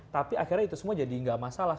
tapi akhirnya itu semua jadi nggak masalah